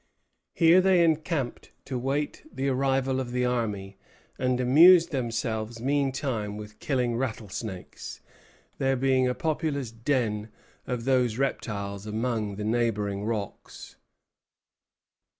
Here they encamped to wait the arrival of the army, and amused themselves meantime with killing rattlesnakes, there being a populous "den" of those reptiles among the neighboring rocks.